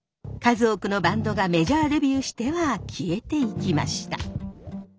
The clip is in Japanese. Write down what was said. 数多くのバンドがメジャーデビューしては消えていきました。